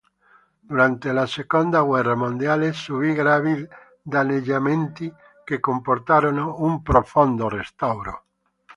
Durante la seconda guerra mondiale subì gravi danneggiamenti che comportarono un profondo restauro.